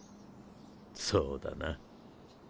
そうだな。